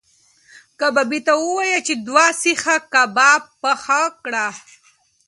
کبابي ته وایه چې دوه سیخه کباب پخ کړي.